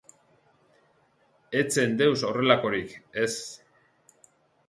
Ez zen deus horrelakorik, ez!